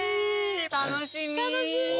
楽しみ。